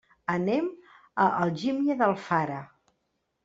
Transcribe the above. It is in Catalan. Anem a Algímia d'Alfara.